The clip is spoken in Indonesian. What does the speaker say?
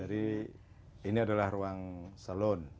jadi ini adalah ruang salon